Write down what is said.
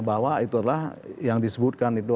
bahwa itu adalah yang disebutkan itu